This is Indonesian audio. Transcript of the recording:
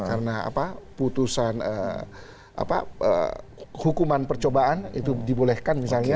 karena apa putusan hukuman percobaan itu dibolehkan misalnya